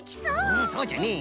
うんそうじゃねえ！